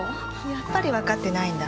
やっぱりわかってないんだ。